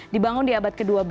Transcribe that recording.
dibangun di abad ke dua belas